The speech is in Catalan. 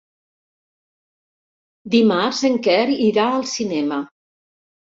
Dimarts en Quer irà al cinema.